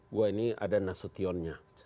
gue ini ada nasutionnya